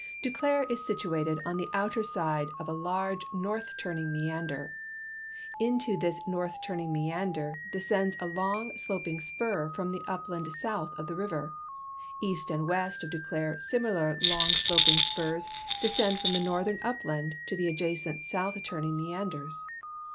Duclair is situated on the outer side of a large north turninsr meander. Into this north turning meander descends a Ions: sloping spur from the upland south of the river ; east and west of Duclair similar long sloping spurs descend from the northern upland into the adjacent south turning meanders.